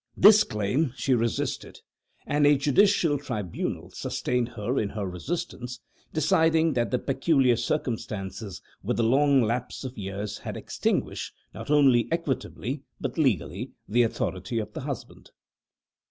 This claim she resisted, and a judicial tribunal sustained her in her resistance, deciding that the peculiar circumstances, with the long lapse of years, had extinguished, not only equitably, but legally, the authority of the husband.